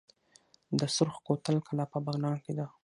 د سرخ کوتل کلا په بغلان کې ده